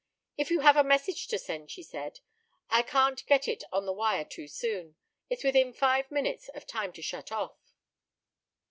"If you have a message to send," she said, "I can't get it on the wire too soon. It's within five minutes of time to shut off."